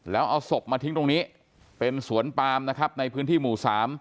แล้วเอาศพมาทิ้งตรงนี้เป็นสวนปามนะครับในพื้นที่หมู่๓